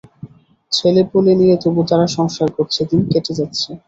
ছেলেপুলে নিয়ে তবু তারা সংসার করছে, দিন কেটে যাচ্ছে।